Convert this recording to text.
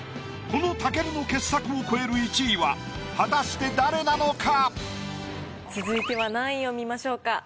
この武尊の傑作を超える１位は果たして誰なのか⁉続いては何位を見ましょうか？